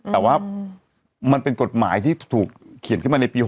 แต่ว่ามันเป็นกฎหมายที่ถูกเขียนขึ้นมาในปี๖๐